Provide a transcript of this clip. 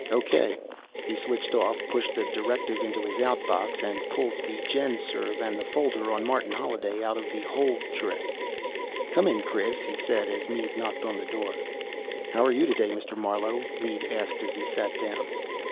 "O.K." He switched off, pushed the directive into his OUT box, and pulled the GenSurv and the folder on Martin Holliday out of the HOLD tray. "Come in, Chris," he said as Mead knocked on the door. "How are you today, Mr. Marlowe?" Mead asked as he sat down.